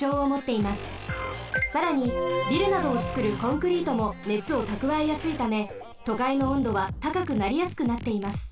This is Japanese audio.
さらにビルなどをつくるコンクリートもねつをたくわえやすいためとかいの温度はたかくなりやすくなっています。